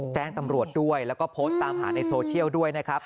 แจ้งตำรวจด้วยแล้วก็โพสต์ตามหาในโซเชียลด้วยนะครับ